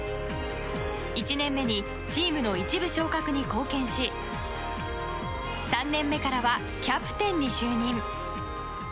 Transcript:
１年目にチームの１部昇格に貢献し３年目からはキャプテンに就任。